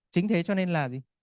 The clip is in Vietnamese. chính thế cho nên là gì